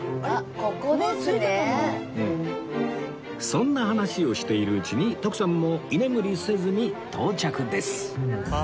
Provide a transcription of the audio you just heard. そんな話をしているうちに徳さんも居眠りせずに到着です